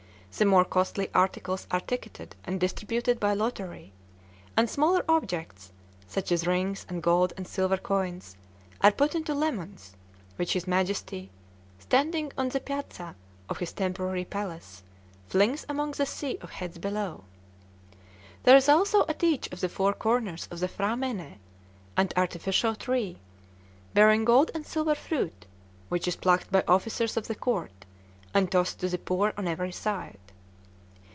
The more costly articles are ticketed and distributed by lottery; and smaller objects, such as rings and gold and silver coins, are put into lemons, which his Majesty, standing on the piazza of his temporary palace, flings among the sea of heads below. There is also at each of the four corners of the P'hra mène, an artificial tree, bearing gold and silver fruit, which is plucked by officers of the court, and tossed to the poor on every side.